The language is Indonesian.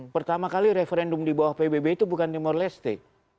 pertama kali referendum di bawah pbb itu bukan timor leste